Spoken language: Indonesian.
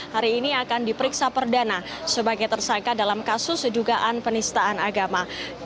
hari ini akan diperiksa perdana sebagai tersangka dalam kasus sedugaan penistaan agama